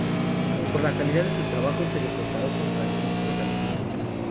Por la calidad de sus trabajos se le comparó con Francisco Salzillo.